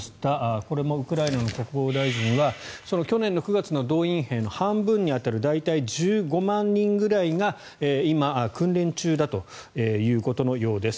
これもウクライナの国防大臣は去年の９月の動員兵の半分に当たる大体１５万人ぐらいが今、訓練中だということのようです。